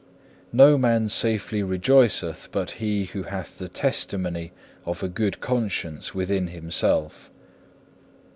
3. No man safely rejoiceth but he who hath the testimony of a good conscience within himself.